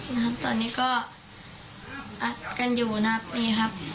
นะครับตอนนี้ก็อัดกันอยู่นะครับนี่ครับ